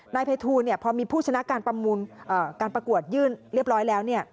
นายภัยทูลพอมีผู้ชนะการประมูลการประกวดยื่นเรียบร้อยแล้ว